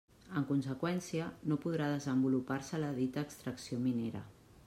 En conseqüència, no podrà desenvolupar-se la dita extracció minera.